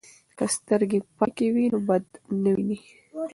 که سترګې پاکې وي نو بد نه ویني.